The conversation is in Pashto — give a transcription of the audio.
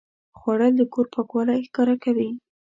خوړل د کور پاکوالی ښکاره کوي